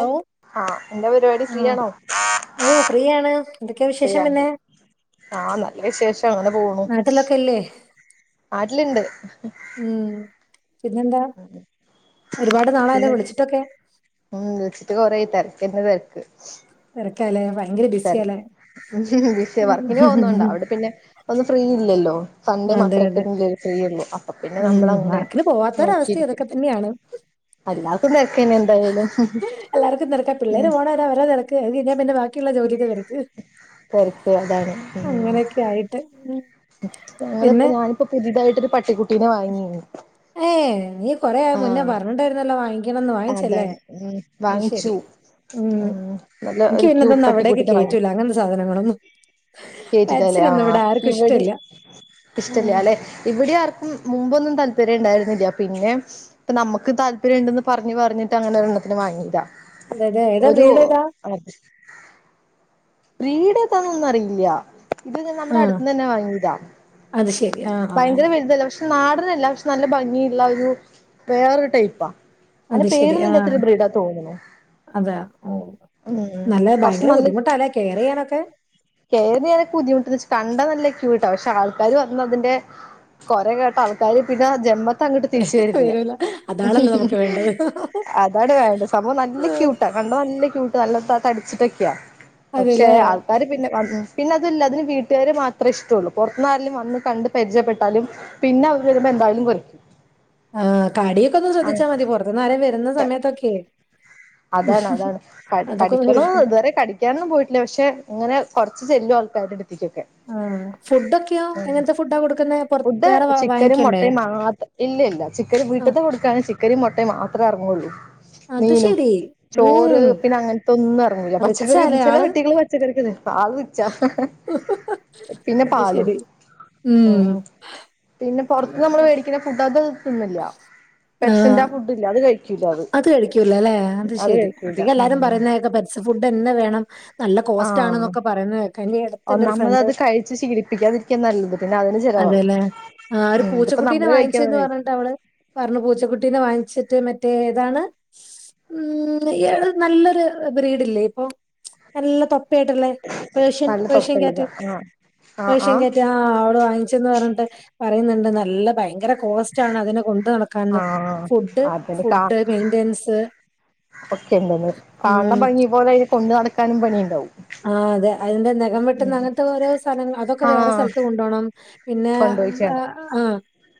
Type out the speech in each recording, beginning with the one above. Hello ആഹ് എന്താ പരിപാടി ഫ്രീ ആണോ? മ്മ് ഫ്രീയാണ് എന്തൊക്കെയാ വിശേഷം പിന്നെ ആഹ നല്ല വിശേഷം അങ്ങനെ പോണു നാട്ടിലൊക്കെ ഇല്ലേ [unintelligible] ഉംഹ് പിന്നെന്താ ഒരുപാട് നാളയല്ലോ വിളിച്ചിട്ടൊക്കെ ഉഹ് വിളച്ചിട്ട് കൊറെയായി തിരക്കന്റെ തിരക്ക് തിരക്കാലേ വർക്കിനന് പോന്നുന്നുണ്ട ഉം അവിടെ പിന്നെ ഫ്രീ ഇല്ലല്ലോ സൺഡേ അതെ മാത്രമ ഒക്കെ അതെ ഫ്രീയള്ളൂ അപ്പോ പിന്നെ നമ്മള ഉം അങ്ങനെ വർക്കിന് പോവാത്തൊരവസ്ഥ നോക്കിയിരിക്കും ഇതൊക്കെ തന്നെയാണ് വല്ലാത്ത തിരക്കനെ എന്തായാലും പിള്ളാര്‌ ഉം പോണവരെ അവരെതിരക്ക് അത് കഴിഞ്ഞ പിന്നെ ബാക്കിയുള്ള ജോലിടെ തിരക്ക് തെരക്ക് അതാണ് ഉം അങ്ങനെയൊക്കെ ആയിട്ട് [unintelligible] പിന്നെ ഞങ്ങളിപ്പോ ഞാനിപ്പോ പുതിയതായിട്ടൊരു പട്ടിക്കുട്ടീനെ വാങ്ങിരുന്നു ഏയ് നീ കൊറെ മുന്നേ പറഞ്ഞിണ്ടായിരുന്നല്ലോ വാങ്ങിക്കണന്ന് വാങ്ങിച്ചല്ലേ അതാണ് ഉം അയ് ശരി വാങ്ങിച്ചു ഉംഹ് ഉം നല്ല ഒരു ക്യൂട്ട് എനിക്ക്പിന്നെതൊന്നും അവിടെക്കെ പട്ടിക്കുട്ടിനെ വാങ്ങി കേറ്റൂല അങ്ങനത്തെ സാധനങ്ങളൊന്നും പെറ്റ്സ്നെ ഒന്നും ഇവിടെ ആർക്കും ഇഷ്ടല്ലേ ഇഷ്ടല്ലല്ലെ ഇവിടെ ആർക്കും മുമ്പൊന്നും താല്പര്യം ഉണ്ടായിരുന്നില്ല പിന്നെ ഇപ്പനമുക്ക് താല്പര്യം ഉണ്ടന്ന് പറഞ്ഞപറഞ്ഞിട്ട് അനെരെണ്ണത്തിനെ വാങ്ങീതാ അതെതെ ഏതാ ബ്രീഡ് ഏതാ [unintelligible] ബ്രീഡ് ഏതന്നൊന്നും അറിയില്ല ഇത് നമ്മുടെ ആഹ് അടുത്തന്ന്ന്നെ വാങ്ങി അത് ശെരി ആഹ്ഹ് പക്ഷെ നാടനല്ല പക്ഷെ നല്ല ഭംഗിയുള്ള ഒരു വേറൊരു ടൈപ്പാ അതിന് പേരെന്നില്ലാത്ത ബ്രീഡാതോന്നണു അതെയൊ ഓഹ് നല്ലഭയങ്കര ബുദ്ധിമുട്ടല്ലേ കെയറ്ചെയ്യാനൊക്കെ? കേയറിങ് ചെയ്യാനൊക്കെ ബുദ്ധിമുട്ട കണ്ടാ നല്ല ക്യൂട്ടാ പക്ഷെ ആൾക്കാരും പറയുന്നു അതിന്റെ കുറേകേട്ടാ ആൾക്കാര് പിന്ന ജന്മ അങ്ങോട്ട് തിരിച്ചു തരില്ല വരൂല അതാണല്ലോ നമുക്ക് വേണ്ടത് അതാണ് വേണ്ടത് സംഭവം നല്ല ക്യൂട്ടാണ് കണ്ടനല്ല ക്യുട്ടാ നല്ല ത തടിച്ചിട്ടക്കെയാ പക്ഷെ അതെല്ലേ ആൾക്കാര് പിന്നെ പിന്നെ അതല്ല അതിന് വീട്ടുകാരാര് മാത്രമേ ഇഷ്ടള്ളൂ പുറത്ത്ന്ന ആരലും വന്ന് കണ്ട് പരിചയപ്പെട്ടാലും പിന്നെ അവർ വരുമ്പോ എന്തായാലും കൊര്ക്കും ആ് കാടിയൊക്കെ ഒന്ന് ശ്രദ്ധിച്ചാ മതി പുറത്തു നേരം വരുന്ന സമയത്തൊക്കെയ അതാണ് അതാണ് ക കടിക്കണ സൂക്ഷിക്കണം ഇതുവരെ കട കിക്കാനൊന്നും പോയിട്ടില്ല പക്ഷെ ഇങ്ങനെ കൊരച്ചു ചെല്ലോ ആൾക്കാരുടെ അടുത്തിക്കൊക്കെ ആഹ് ഫുഡൊക്കെയോ എങ്ങനത്തെ ഫുഡാ കൊടുക്കുന്നെ പൊറ ഫുഡ് വേറെ വാ ചിക്കനും വാങ്ങിക്കണ്ടേ മുട്ടയും മാത്രം ഇല്ല ഇല്ല ചിക്കനും ആഹ് വീട്ടത്തെ കൊടുക്കാണങ്ക ചിക്കരി മുട്ടയും മാത്രേ ഇറങ്ങുള്ളൂ അത് മീനും ശരി ചോറ് ഉം പിന്നെ അങ്ങനത്തെൊന്നും ഇറങ്ങൂല പച്ചക്കറി റിച്ചാല്ലേ ചില ആള് വെട്ടികള പച്ചക്കറി ആ പിന്നെ അത് പാലു ശരി ഉം ഉ പിന്നെ പുറത്ത് നമ്മള് മേടിക്കുന്ന ഫുഡ് അത് തിന്നില്ല ആഹ് പെറ്റ്സിന്റെ ഫുഡ് ഇല്ല അത് കഴിക്കൂല അത് അത് കഴിക്കൂല അല്ലെ അത് ശെരി പട്ടിക്ക് എല്ലാരും പറയുന്നതൊക്കെ പെറ്റ്സ് ഫുഡ് അന്നെ വേണം നല്ല കോസ്റ്റ് ആഹ ആണെന്നൊക്കെ പറയുന്ന കേക്കാം. എന്റെ ഈ അടുത്ത് എന്റെ ഒരു ഒന്നാമത് ഫ്രണ്ട് അത് കഴിപിച്ച് ശീലിപ്പിക്കാതിരിക്കേ നല്ലത് പിന്നെ അതിന് ചെലവാവും ആ ഒരു പൂച്ചക്കുട്ടീനെ വാങ്ങിച്ചന്ന് പറഞ്ഞിട്ട് അവള് പറഞ്ഞു പൂച്ചക്കുട്ടീനെ വാങ്ങിച്ചിട്ട് മ തേതാണ് ഉം ഇയാ നല്ലൊരു ബ്രീഡില്ലേ ഇപ്പൊ നല്ല തൊ കേട്ട്ളേപേഷ്യൻ നല്ല പേഷ്യൻ തൊപ്പുള്ളത് ക്യാറ്റ് ആഹ് ആഹ് ആഹ് പേഷ്യൻകറ്റ് ആ അവിടെ വാങ്ങിച്ചന്ന് പറ പറയുന്നുണ്ട് നല്ല ഭയങ്കര കോസ്റ്റ് ആണ് അതിനെ കൊണ്ട് നടക്കാന്ന് ആഹ് ഫുഡ് അതിന് കാ ഫുഡ് മെയിന്റനൻസ് ഒക്കെന്ത ഉം കാണണം ഭംഗി പോലെ കൊണ്ടു നടക്കാനും പണിയ ഉണ്ടാവും ആ അതെ അതിന്റെ നഖം വെട്ടന്ന് അങ്ങനത്തെ ഓരോ സ്ഥലങ്ങ അതൊക്കെ വേറെ ആഹ് സ്ഥലത്ത് കൊണ്ടോണ്ണം പിന്നെ കൊണ്ടോയിച്ചാണ് ആഹ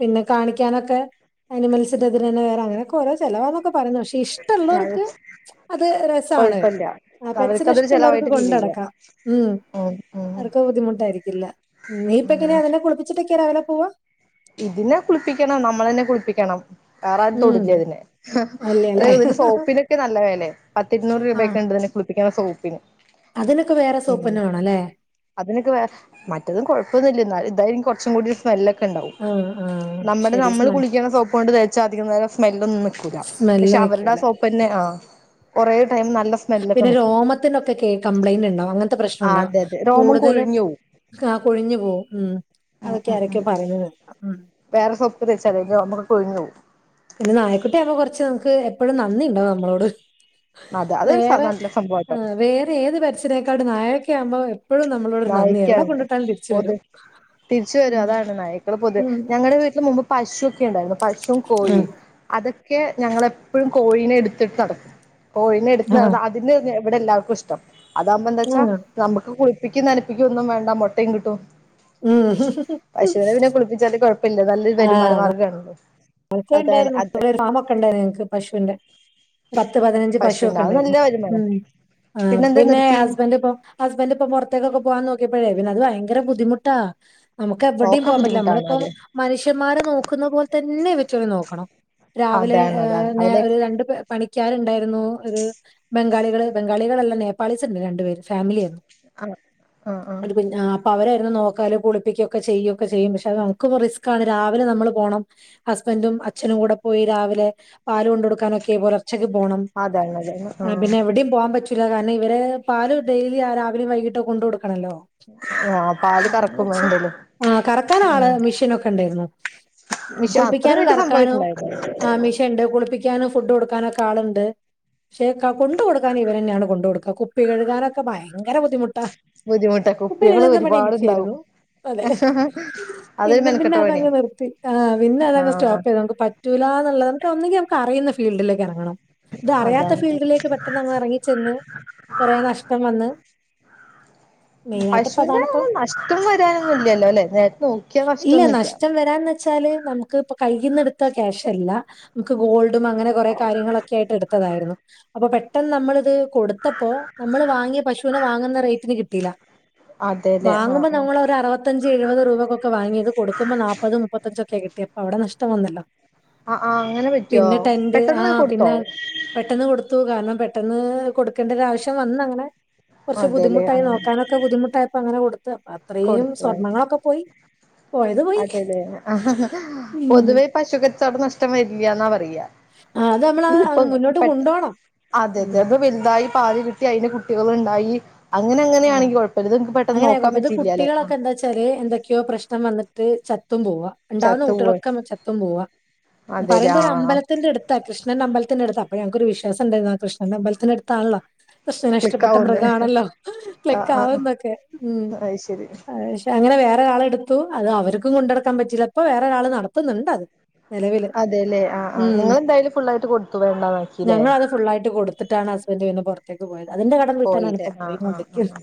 പിന്നെ കാണിക്കാനൊക്കെ അനിമൽസിന്റെതി തന്ന വേറെ അങ്ങനൊക്കെ ഓോ ചിലവാന്നൊക്കെ പറയ പക്ഷേ ഇഷ്ടുള്ളോർക്ക് അത് രസാണ് കൊഴപ്പല്ല പെറ്റ്സിനെ അവർക്കതൊരു ഇഷ്ടുള്ളർക്ക് ഉ ചെലവായിട്ട് ഫീൽ ചെയ്യ കൊണ്ടടക്കാ ഉം അവർക്ക് ബുദ്ധിമുട്ടായിക്കില്ല നീ ഇപ്പ ഉം എങ്ങനതിനെ [unintelligible] കുളപ്പിച്ചിട്ടൊക്കെ രാവിലെ പോവാ ഇതിനെ കുളിപ്പിക്കണം നമ്മള തന്നെ കുളിപ്പിക്കണം വേറെ ആും ഉം. തൊടല്ലേ അതിനെ അത അല്ലല്ലേ. ഇതിന്റെ സോപ്പിനൊക്കെ നല്ല വേലെ പത്തി ഇരുന്നൂറ് ആ രൂപയക്കെ ഉണ്ട്ന്നെ കുളിപ്പിക്കുന്ന സോപ്പിന് അതിനൊക്കെ വേറെ ഉം സോപ്പന്നെ വേണല്ലേ അതിനൊക്കെ മറ്റതും കുഴപ്പമന്നില്ല എന്ന ഇതായരിക്കും കുറച്ചും കൂടി സ്മെല്ലൊക്കെ ഉണ്ടാവും ആ ആ നമ്മുടെ ശരി. നമ്മള് സ്മെ കുളിക്കണ സോപ്പ് കൊണ്ട് തച്ചാ അധികം നേരം സ്മെല്ലാന്നും നിക്കൂില്ല പക്ഷെ സ്മെല്ല് അവരുടെ ആ നിക്കൂല. സോപ്പ് പിന്നെ ആ കുറേ ടൈം നല്ല സ് പിന്നെ രോമത്തിനൊക്കെ കേ കംപ്ലൈന്റ് ഇണ്ടാവും അങ്ങനത്തെ ആ പ്രശ്നുണ്ടാവും അതെ അതെ രോമം കൂടുതൽ കൊഴിഞ്ഞു ആ കൊഴിഞ്ഞു പോവും ഉം അതൊക്കെ പോവും ആരൊക്കെ പറയുന്നത് കേക്കാം ഉ വേറെ സൊപ്പ്ക്ക തെച്ചാലേ രോമൊക്കെ കൊഴിഞ്ഞോവും പിന്നെ നായക്കുട്ടി ആവുമ്പോ കുറച്ച് നമുക്ക് എപ്പോഴും നന്ദി ഉണ്ടോവും നമ്മളോട് അതെ അതൊരു വേറെ നല്ല ആ സംഭവാട്ടോ വേറെ ഏത് പെറ്റ്സിനെക്കാട്ടും നായൊക്കെ ആുമ്പോ എപ്പോഴും നമ്മളോട് ഒരു നന്ദിയാ എവിടെ കൊണ്ടുട്ടാലും തിരിച്ചു വരും തിരിച് വരും ഉം അതാണ് നായ്ക്കൾ പൊതു ഉം ഞങ്ങടെ വീട്ടില് മുമ്പ് പശുവൊക്കെ ഉണ്ടായിരുന്നു പശുവും ആഹ് കോഴിയും അതൊ ക്കെ ഞങ്ങളെപ്പഴും കോയീനെ എടുത്തിട്ട് നടക്കും കോയീനെ എടുത്ത് നടന്ന അ തിന്ന് തെവെടെ എല്ലവർക്കും ഇഷ്ടം അതാഉമ്പോ ആഹ് ന്താച്ചാ ആഹ് നമുക്ക് കു പ്പിക്കും നനപ്പിക്കും ഒന്നും വേണ്ട മൊട്ടയും കിട്ടും ഉം പശുവിനെ പിന്നെ കുളിപ്പിച്ചല് കൊഴ പിന്നെ നല്ലൊരു ആഹ് വരുമാന മാർഗാണല്ലോ [unintelligible] ഉണ്ടായിരുന്നു [unintelligible] ഫാമൊക്കെ ണ്ടായി ങ്ങക്ക് പശുവിന്റെ പത്ത് പതിനഞ്ച് പശുവിന് പശുക്കെ അത് ണ്ടായിരുന്നു നല്ല വരുമാനാ ഉം ആഹ് പിന്നെന്താ പിന്നെ നിർത്തി ഹസ്ബന്റ് പ്പം പ ഹസ്ബന്റ് പ്പം പൊർത്തേക്കൊക്കെ പോവാൻ നോക്കിയപ്പഴേ പിന്നെ അത് ഭയങ്ക ബുദ്ധിമുട്ടാ നമുക്ക് എവിടിം നോക്കാൻ പോകാൻ പറ്റില്ല ബുദ്ധിമുട്ടാണ് നമ്മളിപ്പോ അത് മനുഷ്യന്മാരെ നോക്കുന്ന പോൽ ത ന്നെ ഇവറ്റെളീം നോക്കണം രാവിലെ അതാണ് ഏഹ് അതാണ് നെ അതിനെ ഒര് രണ്ട് പെ പണിക്കാരുണ്ടായിരുന്നു ഒരു ബംഗാളികള് ബംഗാളികളെല്ലാം നേപ്പാളീസ്ണ്ട് രണ്ടു പേര് ഫാമിലിയായിരുന്നു ആ ആ ആ അത് പിന്നാ അപ്പൊ അവരായിരുന്നു നോക്കാല് കുളിപ്പികൊക്കെ ചെയ്യുക്കെ ചെയ്യും പക്ഷെ അത് നമുക്കിപൊ റിസ്ക് ആാണ് രാവിലെ നമ്മള് പോണം ഹസ്ബൻറും അച്ഛനും കൂടെ പോയി രാവിലെ പാല് കൊണ്ടൊടുക്കാനൊക്കെ പൊലെർ ച്ചക്ക് പോണം അതാണ് അതാണ് എഹ് ആ പിന്നെ എവിടിം പോആൻ പറ്റൂല്ല കാരണം ഇവരെ പാല് ഡെയിലി ആഹ് രാവിലും വൈകിട്ട് കൊണ്ട് കൊടുക്കണല്ലോ ആഹ് പാല് കറക്കും വേണ്ടല്ലോ ആഹ് കറക്കാൻ ആള് ഉം മെഷീനൊക്കെണ്ടായിരുന്നു പക്ഷെ അത്രയും കുളിപ്പിക്കാനും വലിയ കറക്കാനും സംഭവിട്ടുണ്ടായില്ല ആമിഷംണ്ട് കുളിപ്പിക്കാനും ഫുഡ് കൊടുക്കാനൊക്കെ ആള്ണ്ട് ക്ഷെ ക്ക കൊണ്ടൊടുക്കാൻ ഇവരെന്നാണ് കൊണ്ട്ടുക്ക കുപ്പി കഴുകാനൊക്കെ ഭയങ്കര ബുദ്ധിമുട്ടാ ബുദ്ധിമുട്ട് കുപ്പി കുപ്പികൾ കഴുകുന്ന പണി ഒരുപാടുണ്ടാവും എനിക്കായിരുന്നു അതെ അതൊരു പിന്നും പിന്നെ മെനക്കെട്ട പണിയാ അതങ്ങ് നിർത്തി ആഹ് പിന്നെ അതങ് ആഹ് സ്റ്റോപ്പ്യ്ത് നമുക്ക് പറ്റൂലാ ന്നുള്ള നമ്ക്ക് ഒന്നെങ്കി നമക്ക് അറിയുന്ന ഫീൽഡിലേക്ക് ഇറങ്ങണം തഅറിയാത്ത അതാണ് ഫീൽഡിലേക്ക് പെട്ടെന്ന് നങ്ങ് ഇറങ്ങിച്ചെന്ന് കൊറെേ നഷ്ടം വന്ന് [inaudible] മെയിനായിട്ട് ഇപ്പ പശുവിന്റെ അതാണിപ്പം അങ്ങനെ നഷ്ടം വരാനൊന്നും ഇല്ല്യാല്ലോല്ലെ നേര്ക് നോക്കിയാ നഷ്‌ടംന്നുല്ല ച്ചാല് നമുക്ക് ഇപ്പ കയ്യ്ന്ന എടുത്ത ക്യാഷല്ല നമുക്ക് ഗോൾഡും അങ്ങനെ കൊറെ കാര്യങ്ങളൊക്കെ ആയിട്ട് എടുത്തതായിരുന്നു അപ്പൊ പെട്ടെന്ന് നമ്മളിത് കൊടു ത്തപ്പോ നമ്മള് വാങ്ങിയ പശുവിനെ വാങ്ങുന്ന റേറ്റിന് കിട്ടിയില്ല അതെല്ലേ ആഹ് വാങ്ങുമ്പോ ആഹ് നമ്മൾ ഒരു അറുവ ത്തഞ്ച് എയ്പത് രൂപക്കൊക്കെ വാങ്ങിയത് കൊടുക്കുമ്പോ നാപ്പത് മുപ്പത്തഞ്ചൊക്കെ കിട്ട്യേ അപ്പോ അവിടെ നഷ്ടം വന്നല്ലോ ആഹ് ആഹ് അങ്ങനെ പറ്റോ പിന്നെ ടെന്റ് പെട്ടെന്ന് ആഹ് കൊടുത്തോ പിന്നെ പെട്ടെന്ന് കൊടുത്തു കാരണം പെട്ടെന്ന് കൊടുക്കേണ്ട ഒരു ആവശ്യം വന്നങ്ങനെ കുർച്ച് അതെല്ലേ ബുദ്ധിമുട്ടായി ആഹ് നോക്കാനൊക്ക ബുദ്ധിമുട്ടായപ്പോ അങ്ങനെ കൊടുത്താ അത്രേം കൊടുത്ത സ്വർണങ്ങളൊക്കെ പോയി പോയത് പോയി അതെല്ലേ ഉം പൊതുവേ പശു കച്ചവടം നഷ്ടം വരില്ല ന്നാ പറയാ ആ, അത് നമ്മള് ഇപ്പൊ മുന്നോട്ട് പെട്ട് കൊണ്ടോണം. അതെ ഉം അതെ വലുതായി പാൽ കിട്ടി അയ്ന്റെ കുട്ടികൾണ്ടായി അങ്ങനെ അങ്ങനെയാണെങ്കി കുഴപ്പല്ല നിക്ക് പെട്ടെന്ന് നോക്കാൻ പ ത് കുട്ടികളൊക്കെ എന്താച്ചാല് എന്തൊക്കെയോ പ്രശ്നം വന്നട്ട് ചത്തും പോവാ ണ്ടാവുന്ന ചത്തു പോവാ കുട്ട്യേളൊക്കെ മ് ചത്തും പോവാ അതെല്ലേ പറയുമ്പോ ഒരു ആഹ് അമ്പലത്തിന്റെട് ത്താ കൃഷ്ണന്റെ അമ്പലത്തിന്റെടുത്ത അപ്പ ഞങക് ഒരു വിശ്വാസണ്ടായിരുന്നു അഹ് കൃഷ്ണന്റെ അമ്പലത്തിനടുത്താണല്ലൊ കൃഷ്ണന് ഇഷ്ടപ്പെട്ട ക്ലിക്കാവുന്ന് മൃഗാണല്ലോ ആഹ് ആഹ് ക്ലിക്കാവുന്നൊക്കെ ഉം അത് ശരി അഹ്ക്ഷെ അങ്ങനെ വേറെരാളടുത്തു അത് അവർക്കും കൊണ്ടടക്കാൻ പറ്റില്ല ഇപ്പൊ വേറെ ഒരാള് നടത്തുന്നുണ്ട് അത് നിലവില് അതെല്ലെ ആഹ് ആഹ് ഉം നിങ്ങെളെന്തായാലു ഫുള്ളായിട്ട് കൊടുത്തു വേണ്ടന്നാക്കിലേ ഞങ്ങളത് ഫുള്ളായിട്ട് കൊടുത്ത്ട്ടാണ് ഹസ്ബന്റ് പിന്നെ പൊർത്തേക്ക് പോയത് അതിന്റെ കടം വീട്ടാനാണ് പോയില്ലേ ഇപ്പം ആഹ് ആഹ് പോയിക്കൊണ്ടിരിക്കുന്നത് ആഹ്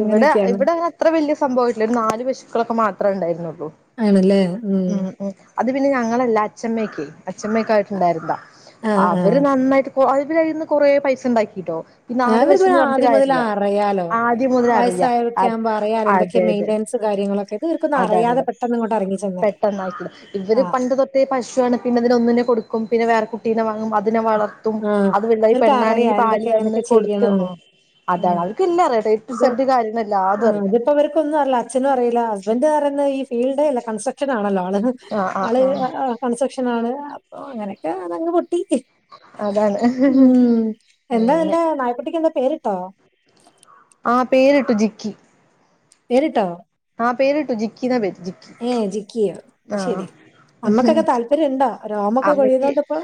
ഇവടെ അങ്ങനെയൊക്കെയാണ് ഇവടെ അങ്ങനെ അത്ര വല്യ സംഭവല്ല്യ ഒരു നാല് പശുക്കളൊക്കെ മാത്രേ ണ്ടായിരുന്നുള്ളൂ ആണ് ല്ലേ ഉം ഉം അത് പിന്നെ ഞങ്ങളല്ല അഛമ്മക്ക് അച്ഛമ്മക്കായിട്ടുണ്ടായിര്ന്നതാ ആഹ് ആഹ് അവര് നന്നായിട്ട് [unintelligible] കൊറേ പൈസ ഉണ്ടാക്കിട്ടോ ഈ ആ നാല് അത് പിന്നെ പൈസന്ന് പറഞ്ഞിട്ട് ആദ്യം മുതൽ കാര്യല്ല അറിയാലോ ആദ്യം മുതൽ അറിയ അ വയസ്സയോർക്ക് ആകുമ്പോ അറിയാലോ എന്തൊക്കെ അതെ ക്കെ അതെ മെയിന്റനൻസ് കാര്യങ്ങളൊക്കെ ഇവര് ക്കൊന്ന അറിയാതെപെട്ടെന്ന് പെട്ടെന്ന് ഇറങ്ങി ചെന്ന പെട്ട ട്ടെന്ന് ആ ക്കും ഇവര്പൻ ആഹ് [unintelligible] അത് വെള്ളായി അതും ഇവർക്ക് അറിയാം പെണ്ണാണെങ്കിൽ പാല് എന്തൊക്കെ വന്ന് എങ്ങനെയൊക്കെ കൊടുത്തു ചെയ്യണംന്ന് അതാണ് അവക്കല്ലാടതും ഇ ആ അ [unintelligible] അപ്പ ഇവർക്കൊന്നും അല്ല അച്ഛനും അറിയില്ല ഹസ്ബന്റ് റയുന്ന ഈ ഫീൽഡേല്ല കസ്ട്രക്ഷൻ ആണല്ലോ അതും ആ ആള് കൺസ്ട്രക്ഷന ആണ് അപോ അങ്ങനെയൊക്കെങ്ങ് പൊട്ടി അതാണ് ഉം എന്താ അങ്ങനെ എന്താ നായപ്പട്ടിക്ക് എന്താ പേര് ട്ടോ ആഹ് പേരിട്ടു ജിക്കി പേരുട്ടോ ആഹ് പേര് ഇട്ടു ജിക്കി നാ പേര് ജിക്കി ഏ ജിക്കിയോ അത് ആഹ് ശെരി അമ്മക്കൊക്കെ താല്പര്യണ്ടോ രോമൊക്കെ അമ്മയ്ക്ക് കൊഴിയതോണ്ട് പ്പോ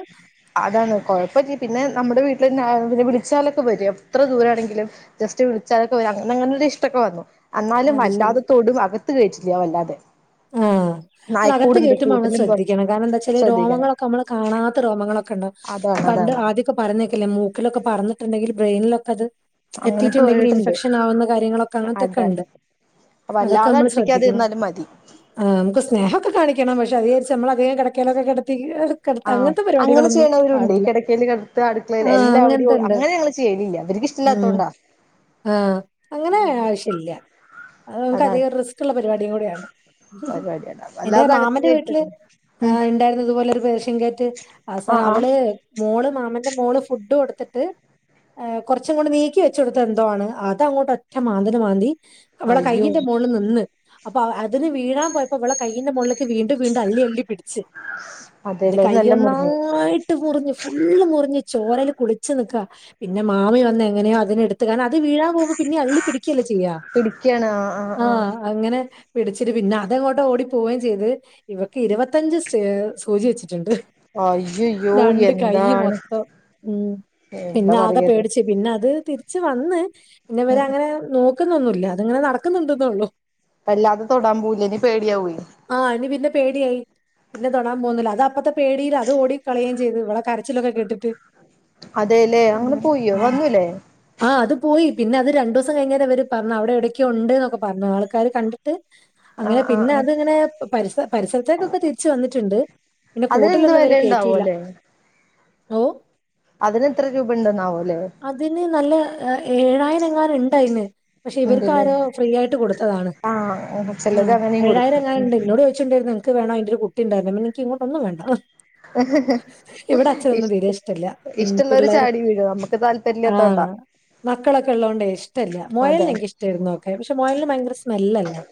അതാണ് കുഴപ്പ ല്ല പിന്നെ നമ്മുടെ വീട്ടിൽ ആ പിന്നെ വിളിച്ചാലൊക്കെ വരും എത്ര ദൂരാ ആണെങ്കിലും ജസ്റ്റ് വിളിച്ചാലൊക്കെ വെ അന്ന് അങ്ങനെ ഇഷ്ടക്കെ വന്നൊ അന്നാലും അത് ശരി. വല്ലാതെത്തോടും അകത്ത് കയറ്റില്ല വല്ലാതെ ആഹ് അകത്ത് നായ്ക്കൂടുണ്ട് കേറ്റുമ്പോ നമ്മള് കൂട്ടിലും കൊറച്ച് ശ്രദ്ധിക്കണം കാരണം എന്താ വെച്ചാല് ശ്രദ്ധിക്കണം രോമങ്ങളൊക്കെ നമ്മള് കാണാത്ത രോമങ്ങളൊക്കെണ്ടാവും അതാ അതാണ് പറഞ്ഞേക്കില്ലെമൂക്കിലൊകെ പറന്നിട്ടുണ്ടെങ്കിൽ ബ്രെയിനിലൊക്കെ അത് അങ്ങനെയൊക്കെ തട്ടിയിട്ടുണ്ടെങ്കിൽ പോയിട്ടുണ്ട് ഇൻഫെക്ഷൻ ആകുന്ന കാര്യങ്ങളൊക്കെ അങ്ങനത്തെൊക്കെ അതാണ് ഉണ്ട് അതൊക്കെ വല്ലാതെ നമ്മള് ശ്രദ്ധിക്കണം അടുപ്പിക്കാതിരുന്നാലും മതി ആഹ് നമുക്ക് സ്നേഹൊക്കെക്കാണിക്കണം പക്ഷെ അതാനുസരിച്ച് നമ്മള അധികം കിടക്കലൊക്കെകടത്തിഗെ ആഹ് അങ്ങനെ ചെയ്യണവരുണ്ട് ഈ കിടക്കൽ കടത്ത അടുക്കളയിൽ ആഹ് എല്ലാവരും അങ്ങനത്തെണ്ട്. അങ്ങനെ ഞങ്ങള് ചെയ്യലില്ല എനിക്ക് ഇഷ്ടമില്ല ഇഷ്ടല്ലത്തൊണ്ട ആ അങ്ങനെ ആവശില്ല അത് നമുക്ക് അതാണ് അധികം റിസ്ക് ഉള്ള പരിപാടിയും കൂടിയാണ് പരിപാടിയതാണ് എന്റെ അല്ലാതെ അകത്ത് മാമന്റെ വീട്ടില് കയറ്റല്ലേ ഉം ഉണ്ടായിരുന്നതുപോലെ ഒരു പേഷൻ ക്യാറ്റ് അവസാന ആഹ് ആഹ് അവള് മോള് മാമന്റെ മോള് ഫുഡ് കൊടുത്തിട്ട് കൊറച്ങ്ങോണ്ട് നീക്കി വെച്ച കൊടുത്തത് എന്തോ ആണ് അത് അങ്ങോട്ട് ഒറ്റ മാന്തല് മാന്തി അവളെ അയ്യോ കയ്യയിൻന്റെ മോളിൽ നിന്ന് അപ്പൊ അതിന് വീഴാൻ പോയപ്പോ അവളെ കയ്യന്റെ മുകളി വീണ്ടും വീണ്ടും അള്ളി അള്ളി പിടിച്ച് എന്നിട്ട് അതെല്ലേ അത് നല്ല മുറിഞ്ഞു കൈഒന്നായി ട്ട് മുറിഞ്ഞു ഫുള്ള് മുറിഞ്ഞ് ചോരെൽ കുളിച്ച് നിക്കാ പിന്നെ മാമി വന്ന എങ്ങനെയോ അതിനെ എടുത്ത് അത് വീഴാൻ പോകുമ്പോ പിന്നെ അള്ളി പിടിക്കല്ലേ ചെയ്യാ പിടിക്കാണ് ആ ആ ആ ആഹ് അങ്ങനെ പിടിച്ചിട്ട് പിന്നെ അതങ്ങോട്ടോ ഓടി പോവുകയും ചെയ്ത് ഇവക്ക് ഇരുപത്തി ഇരുപത് ത്തഞ്ച് സൂചി വെച്ചിട്ടുണ്ട് അയ്യയ്യോ രണ്ട് കൈ എന്താണ് മൊത്തം ഉം എന്താ പിന്നെ ആകെ പറയത് പേടിച്ച് പിന്നെ അത് തിരി തിരി ച്ച് വന്ന് പിന്നെ വരെ ഉം അങ്ങനെ നോക്കുന്നൊന്നുമില്ല അത്ങ്ങനെ നടക്കുന്നുണ്ടെന്നോള്ളു വല്ലാതെ തൊടാൻ പോവുല നി പേടിയാവും ആഹ് ഇനി പിന്നെ പേടിയായി പിന്നെ തൊടാൻ പോകുന്നില്ല അത് അപ്പത്തെ പേടിയിൽ അത് ഓടി കളയയും ചെയ്ത് ഇവളെ കരച്ചിലൊക്കകേട്ടിട്ട് അതെലെ അങ്ങനെ പോയോ വന്നൂലെ ആഹ് അത് പോയി പിന്നെ അത് രണ്ട് ദിവസം കഴിഞ്ഞു അവര് പറഞ്ഞു അവിടെ എവിടൊക്കെ ഉണ്ട് എന്നൊക്കെ പറഞ്ഞു ആൾക്കാര് കണ്ട് ആ റ്റ്അങ്ങനെ ആ പിന്നെ ആ അത്ങ്ങനെ പരിസ പരിസരത്തേക്കൊക്കെ തിരിച്ച് വന്നിട്ടുണ്ട് പിന്നെ അതിനെന്ത് കൂട്ടിലൊന്നും വില ഇവരെ കേട്ടിയില്ല ഉണ്ടാവോല്ലേ ഓ അതിനെത്ര രൂപ ഉണ്ടന്നാവോല്ലേ അതിന് നല്ല ഏഴായിരം ങ്ങാനുംണ്ട് അതിമേൽ പക്ഷെ ഇവർക്ക് ഉണ്ടല്ലേ ആരോ ഫ്രീ ആയിട്ട് കൊടുത്തതാണ് ആ ആ ചിലത് അങ്ങനെയും ഏഴായിരം കൊടുക്കും ഉം എങ്ങാനുണ്ട് ഉം ന്നോട് ചോയിച്ചിച്ചണ്ടായിരുന്നു ക്ക് വേണം അതിന്റെ ഒരു കുട്ടി ഉണ്ടാക്കൽ നിക്ക് ങ്ങോട്ട് ഒന്നും വേണ്ട ഹഹ ഇവിടെ അച്ഛനൊന്നും ഇഷ് തീരെ ട്ട ഇഷ്ടമല്ല ഉം ഇഷ്ട്ടൊള്ളോരു പിള്ളേര് ചാടി വീഴു നമ്മക്ക് താൽ ആ [unintelligible] തോട്ടാ. മക്കളൊക്കെ ള്ളോണ്ടേയ് ഇഷ്ട്ടല്ല മോയൽനെ അതാണ് ഇൻക്ക് ഇഷ്ട്ടെര്ന്നു നോക്കാൻ പക്ഷെ മോയൽന് ഭയങ്കര സ്മെല്ലല്ലേ.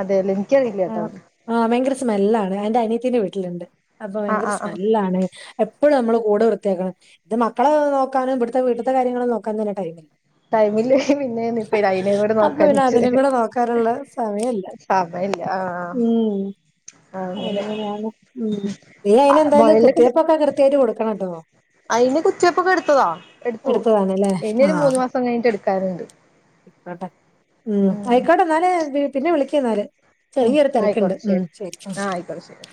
അതേലെ എൻക്കേ റിയില്ലാട്ടോ. ആഹ് ഭയങ്കര സ്മെല്ലാണ് എന്റെ അനിയത്തിന്റെ വീട്ടില്ണ്ട് അപ്പൊ ആഹ് ഭയങ്കര ആഹ് ആഹ് സ്മെല്ലാണ്. എപ്പളും നമ്മള് കൂട് വൃത്തിയാക്കണം, ഇത് മക്കളെ നോക്കാനും ഇവ്ടുത്തെ വീട്ട്ത്തെ കാര്യങ്ങള് നോക്കാം തന്നെ ടൈമില്ല. ടൈമില്ലെ പിന്നെ ഇപ്പ അയ്നേം കൂടെ അപ്പൊ നോക്കാൻ പിന്നെ വച്ചു. അതിനും കൂടെ നോക്കാനുള്ള സമയമില്ല ആന്നാ ഇല്ലാ ആഹ്. ഉം അങ്ങനെ അങ്ങനെയാണ്, ഉം നീ അയിന് എന്തായാലും മുയലിനൊക്കെ കുത്തിയപ്പൊക്കെ കൃത്യായിട്ട് കൊടുക്കണംട്ടോ. അയിന് കുറ്റിയപ്പൊക്കെ എടുത്തതാ എടുത്തു എടുത്തതാണല്ലേ ഇനി ഒരു മൂന്ന് മാസം കഴിഞ്ഞിട്ട് എടുക്കാനുണ്ട്. എട ഉം ആയിക്കോട്ടെ ന്നാല് പി പിന്നെ വിളിക്ക് എന്നാല്. ഉം ചെറിയെ ഒരു തെരക്ക്ണ്ട് ആയിക്കോട്ടെ ഉം ശരി. ആഹ് ആയിക്കോട്ടെ ശരി